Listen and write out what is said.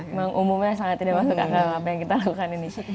memang umumnya sangat tidak masuk akal apa yang kita lakukan ini